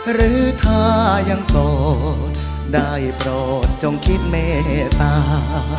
หรือถ้ายังโสดได้โปรดจงคิดเมตตา